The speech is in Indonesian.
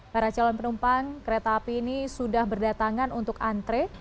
para calon penumpang kereta api ini sudah berdatangan untuk antre